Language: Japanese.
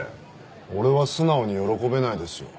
俺は素直に喜べないですよ。